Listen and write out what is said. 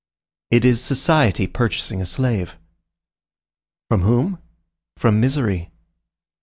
It is society purchasing a slave. From whom? From misery.